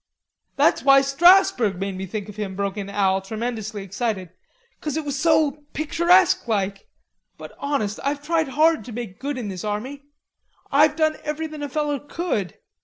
"That's why Strasburg made me think of him," broke in Al, tremendously excited. "'Cause it was so picturesque like.... But honest, I've tried hard to make good in this army. I've done everything a feller could.